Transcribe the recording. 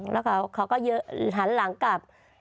แล้วเขาก็เยอะหันหลังกลับ